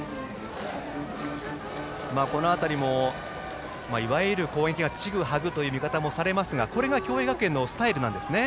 この辺りも、いわゆる攻撃がちぐはぐという見方もされますがこれが共栄学園のスタイルですね。